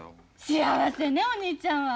幸せねお兄ちゃんは。